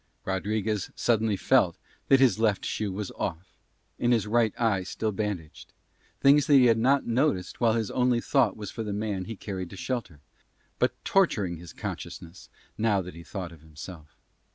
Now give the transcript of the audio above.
Rodriguez suddenly felt that his left shoe was off and his right eye still bandaged, things that he had not noticed while his only thought was for the man he carried to shelter, but torturing his consciousness now that he thought of himself.